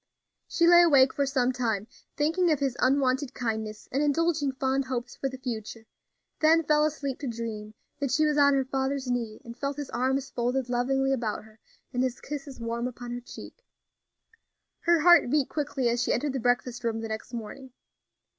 She lay awake for some time, thinking of his unwonted kindness, and indulging fond hopes for the future, then fell asleep to dream that she was on her father's knee, and felt his arms folded lovingly about her, and his kisses warm upon her cheek. Her heart beat quickly as she entered the breakfast room the next morning.